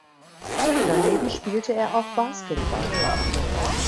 Daneben spielte er auch Basketball.